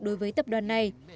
đối với tập đoàn này